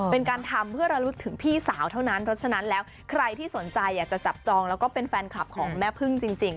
เป็นการทำเพื่อระลึกถึงพี่สาวเท่านั้นเพราะฉะนั้นแล้วใครที่สนใจอยากจะจับจองแล้วก็เป็นแฟนคลับของแม่พึ่งจริง